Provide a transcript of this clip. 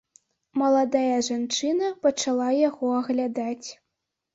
Маладая жанчына пачала яго аглядаць.